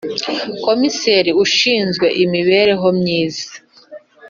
Komiseri ushinzwe imibereho myiza